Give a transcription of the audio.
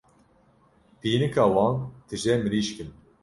Pînika wan tije mirîşk in.